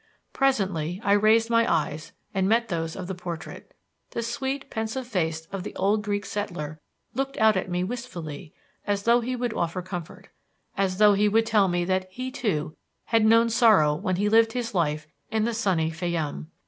Presently I raised my eyes and met those of the portrait. The sweet, pensive face of the old Greek settler looked out at me wistfully as though he would offer comfort; as though he would tell me that he, too, had known sorrow when he lived his life in the sunny Fayyum.